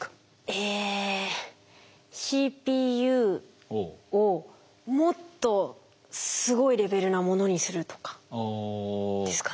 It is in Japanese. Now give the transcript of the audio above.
えＣＰＵをもっとすごいレベルなものにするとかですかね？